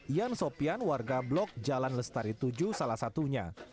ian sopian warga blok jalan lestari tujuh salah satunya